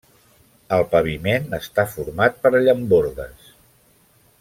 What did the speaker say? El paviment està format per llambordes.